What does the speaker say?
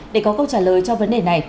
để có câu trả lời cho vấn đề này